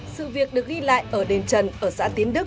sự việc được ghi lại ở đền trần ở xã tiến đức